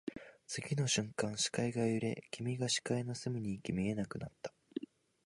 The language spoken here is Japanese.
次の瞬間、視界が揺れ、君が視界の隅に行き、見えなくなった